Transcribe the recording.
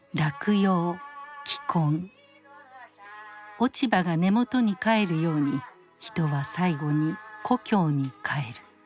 落ち葉が根元に帰るように人は最期に故郷に帰る。